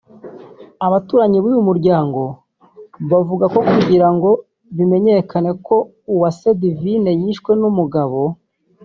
Abaturanyi b’ uyu muryango bavuga ko kugira ngo bimenyekane ko Uwase Divine yishwe n’ umugabo